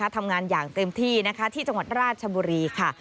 ทำงานอย่างเต็มที่ที่จังหวัดราชบุรีค่ะ